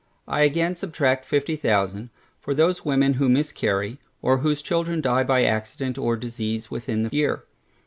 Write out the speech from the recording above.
I again subtract fifty thousand, for those women who miscarry, or whose children die by accident or disease within the year.